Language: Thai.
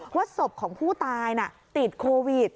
ว่าศพของผู้ตายติดโควิด